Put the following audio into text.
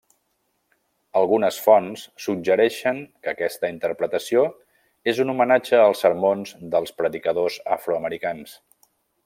Algunes fonts suggereixen que aquesta interpretació és un homenatge als sermons dels predicadors afroamericans.